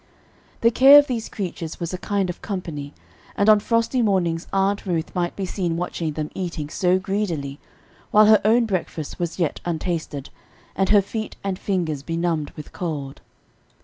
The care of these creatures was a kind of company, and on frosty mornings Aunt Ruth might be seen watching them eating so greedily, while her own breakfast was yet untasted, and her feet and fingers benumbed with cold.